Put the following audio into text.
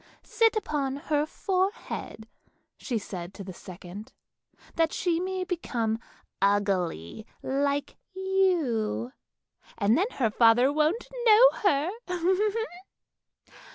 Sit upon her forehead," she said to the second, " that she may become ugly like you, and then her father won't know her!